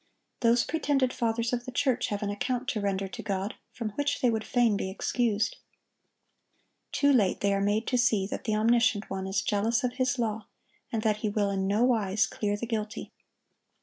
Those pretended fathers of the church have an account to render to God from which they would fain be excused. Too late they are made to see that the Omniscient One is jealous of His law, and that He will in no wise clear the guilty.